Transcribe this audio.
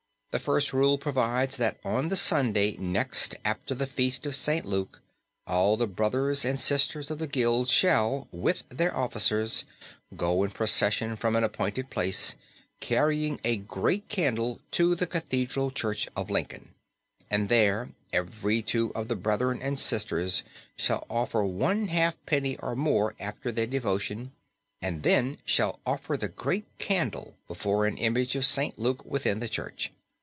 The first rule provides that on the Sunday next after the feast of St. Luke all the brothers and sisters of the Guild shall, with their officers, go in procession from an appointed place, carrying a great candle, to the Cathedral Church of Lincoln, and there every two of the brethren and sisters shall offer one half penny or more after their devotion, and then shall offer the great candle before an image of St. Luke within the church.